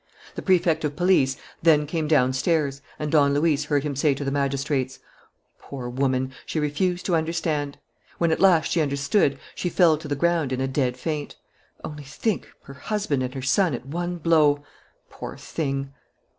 The Prefect of Police then came downstairs; and Don Luis heard him say to the magistrates: "Poor woman! She refused to understand.... When at last she understood, she fell to the ground in a dead faint. Only think, her husband and her son at one blow!... Poor thing!"